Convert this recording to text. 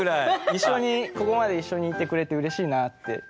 一緒にここまで一緒にいてくれてうれしいなって。